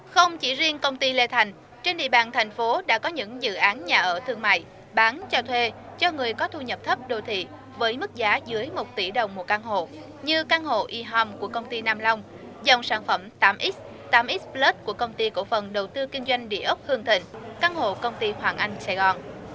không chỉ riêng công ty lê thành trên địa bàn thành phố đã có những dự án nhà ở thương mại bán cho thuê cho người có thu nhập thấp đô thị với mức giá dưới một tỷ đồng một căn hộ như căn hộ e hom của công ty nam long dòng sản phẩm tám x tám xlus của công ty cổ phần đầu tư kinh doanh địa ốc hương thịnh căn hộ công ty hoàng anh sài gòn